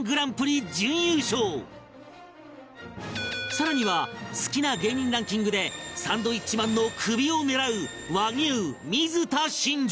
更には好きな芸人ランキングでサンドウィッチマンの首を狙う和牛水田信二